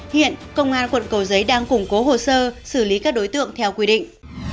hiện công an quận cầu giấy đang củng cố hồ sơ xử lý các đối tượng theo quy định